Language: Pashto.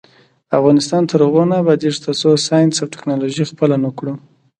افغانستان تر هغو نه ابادیږي، ترڅو ساینس او ټیکنالوژي خپله نکړو.